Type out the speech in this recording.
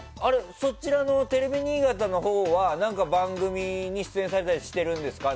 そちらのテレビ新潟のほうは何か番組に出演されたりしているんですか？